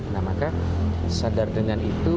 nah maka sadar dengan itu